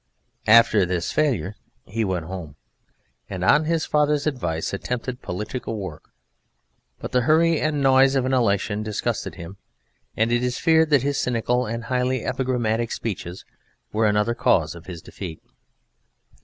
After this failure he went home, and on his father's advice, attempted political work; but the hurry and noise of an election disgusted him, and it is feared that his cynical and highly epigrammatic speeches were another cause of his defeat.